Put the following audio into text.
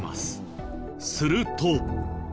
すると。